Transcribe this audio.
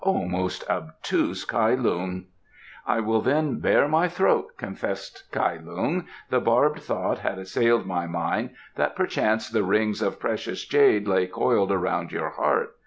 O most obtuse Kai Lung!" "I will then bare my throat," confessed Kai Lung. "The barbed thought had assailed my mind that perchance the rings of precious jade lay coiled around your heart.